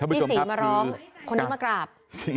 พี่ศรีมาร้องคนนี้มากราบ